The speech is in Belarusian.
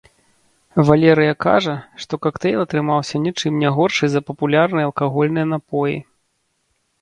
Валерыя кажа, што кактэйль атрымаўся ні чым не горшы за папулярныя алкагольныя напоі.